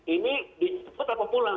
ini ditempat atau pulang